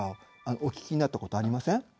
お聞きになったことありません？